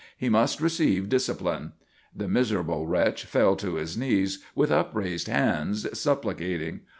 He must receive discipline." The miserable wretch fell to his knees with upraised hands, supplicating.